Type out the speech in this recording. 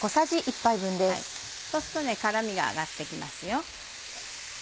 そうすると辛みが上がって来ますよ。